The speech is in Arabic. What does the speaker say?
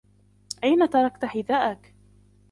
أين تركت حذاءك ؟